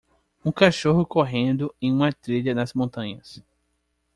Um cachorro correndo em uma trilha nas montanhas